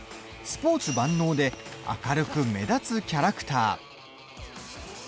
スポーツ万能で明るく目立つキャラクター。